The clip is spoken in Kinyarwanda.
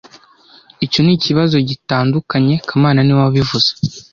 Icyo nikibazo gitandukanye kamana niwe wabivuze